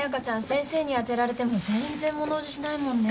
先生に当てられても全然物おじしないもんね。